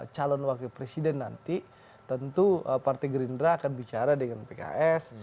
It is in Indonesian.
calon wakil presiden nanti tentu partai gerindra akan bicara dengan pks